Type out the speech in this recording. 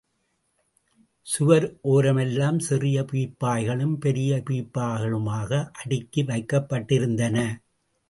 சுவர் ஒரமெல்லாம் சிறிய பீப்பாய்களும், பெரிய பீப்பாய்களுமாக அடுக்கி வைக்கப்பட்டிருந்தன.